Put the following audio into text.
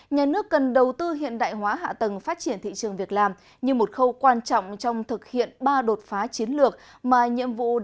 nhà nước cần đầu tư hiện đại hóa hạ tầng phát triển thị trường việc làm như một khâu quan trọng trong thực hiện